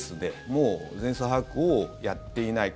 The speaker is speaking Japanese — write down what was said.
もう全数把握をやっていない。